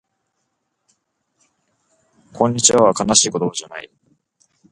こんにちはは悲しい言葉じゃない